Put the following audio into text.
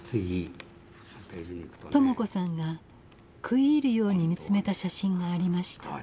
朋子さんが食い入るように見つめた写真がありました。